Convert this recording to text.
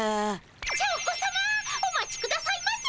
チョー子さまお待ちくださいませ。